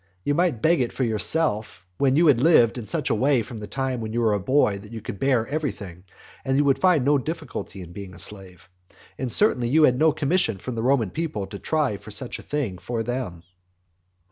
You might beg it for yourself, when you had lived in such a way from the time that you were a boy that you could bear everything, and would find no difficulty in being a slave; but certainly you had no commission from the Roman people to try for such a thing for them.